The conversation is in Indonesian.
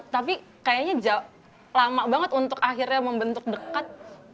tapi kayaknya lama banget untuk akhirnya membentuk dekat